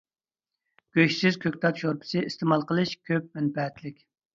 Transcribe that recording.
گۆشسىز كۆكتات شورپىسى ئىستېمال قىلىش كۆپ مەنپەئەتلىك.